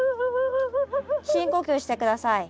深呼吸して下さい。